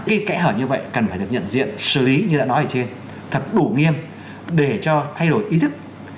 cái kẽ hở như vậy cần phải được nhận diện xử lý như đã nói ở trên thật đủ nghiêm để cho thay đổi ý thức